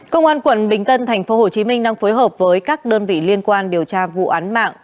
công an quận bình tân tp hcm đang phối hợp với các đơn vị liên quan điều tra vụ án mạng